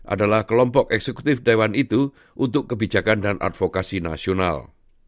adalah kelompok eksekutif dewan itu untuk kebijakan dan advokasi nasional